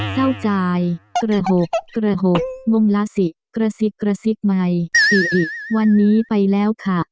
เศร้าจ่ายกระหกกระหกงลาศิกระซิกกระซิกใหม่อิอิวันนี้ไปแล้วค่ะ